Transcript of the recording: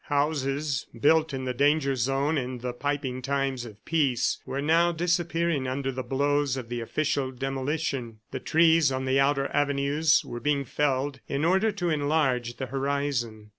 Houses, built in the danger zone in the piping times of peace, were now disappearing under the blows of the official demolition. The trees on the outer avenues were being felled in order to enlarge the horizon.